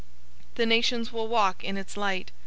021:024 The nations will walk in its light.